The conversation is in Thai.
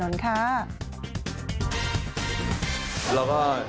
พอแล้ว